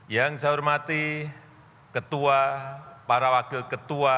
yang saya hormati ketua para wakil ketua